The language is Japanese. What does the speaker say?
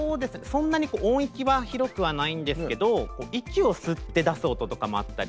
そんなに音域は広くはないんですけど息を吸って出す音とかもあったりして。